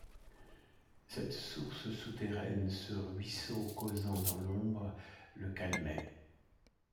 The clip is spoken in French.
Cette source souterraine, ce ruisseau causant dans l’ombre, le calmait.